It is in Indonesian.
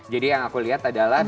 jadi yang aku lihat adalah